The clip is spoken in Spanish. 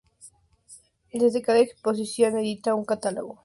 De cada exposición edita un catálogo.